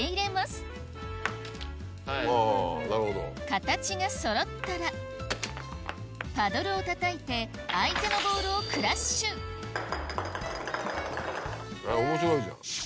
形がそろったらパドルをたたいて相手のボールを面白いじゃん。